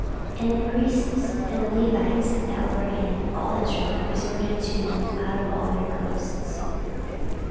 14:011:013 And the priests and the Levites that were in all Israel resorted to him out of all their coasts.